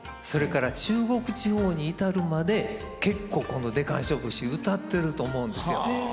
それから中国地方に至るまで結構この「デカンショ節」うたってると思うんですよ。